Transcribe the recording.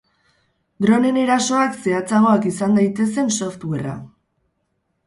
Droneen erasoak zehatzagoak izan daitezen softwarea.